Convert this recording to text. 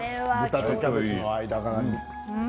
豚とキャベツの間柄に。